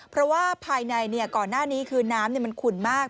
เพราะว่าภายในก่อนหน้านี้คือน้ำมันขุ่นมาก